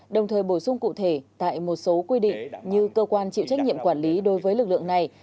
đồng thời bổ sung cụ thể tại một số quy định như cơ quan chịu trách nhiệm quản lý đối với lực lượng này